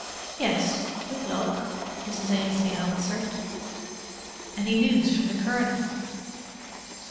"Yes—with luck," Mrs. Ainslie answered. "Any news from the Colonel?"